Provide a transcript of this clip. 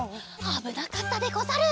あぶなかったでござる。